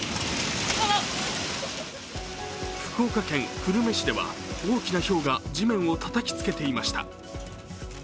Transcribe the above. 福岡県久留米市では大きなひょうが地面をたたきつけていました。